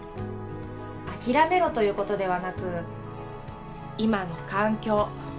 諦めろということではなく今の環境